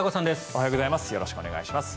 おはようございます。